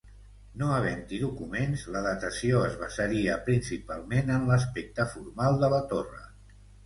No havent-hi documents, la datació es basaria principalment en l’aspecte formal de la torre.